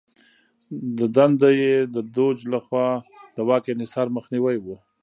د دنده یې د دوج لخوا د واک انحصار مخنیوی و.